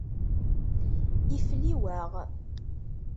Ifliweɣ.